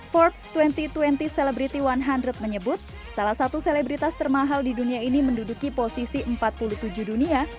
forbes dua ribu dua puluh celebrity satu ratus menyebut salah satu selebritas termahal di dunia ini menduduki posisi empat puluh tujuh dunia